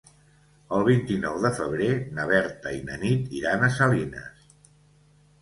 El vint-i-nou de febrer na Berta i na Nit iran a Salines.